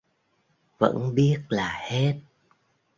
vẫn biết là hết